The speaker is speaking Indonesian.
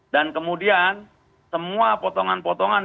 kemudian semua potongan potongan